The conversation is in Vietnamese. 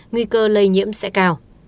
nguy cơ lây nhiễm sẽ cao